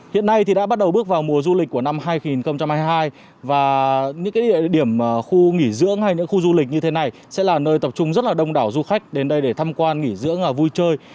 hiện nay thì đã bắt đầu bước vào mùa du lịch của năm hai nghìn hai mươi hai và những địa điểm khu nghỉ dưỡng hay những khu du lịch như thế này sẽ là nơi tập trung rất là đông đảo du khách đến đây để tham quan nghỉ dưỡng và vui chơi